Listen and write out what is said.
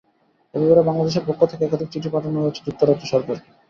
এ ব্যাপারে বাংলাদেশের পক্ষ থেকে একাধিক চিঠি পাঠানো হয়েছে যুক্তরাজ্য সরকারকে।